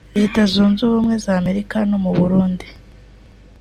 Leta Zunze Ubumwe z’Amerika no mu Burundi